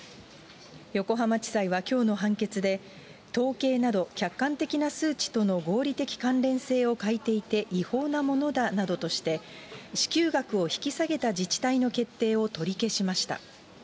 横浜地裁はきょうの判決で、統計など客観的な数値との合理的関連性を欠いていて、違法なものだなどとして、支給額を引き下げた自治体の決定を取り消しました。